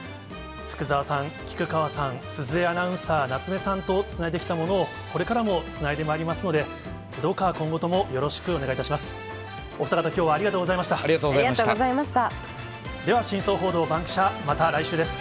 福澤さん、菊川さん、鈴江アナウンサー、夏目さんとつないできたものを、これからもつないでまいりますので、どうか今後ともよろしくお願いいたします。